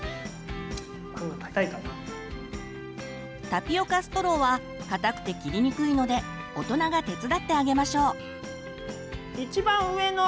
タピオカストローは硬くて切りにくいので大人が手伝ってあげましょう。